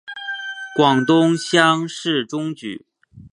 广东乡试中举。